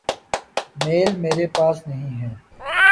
میل میرے پاس نہیں ہے۔۔